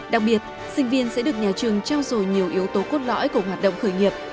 đặc biệt sinh viên sẽ được nhà trường trao dồi nhiều yếu tố cốt lõi của hoạt động khởi nghiệp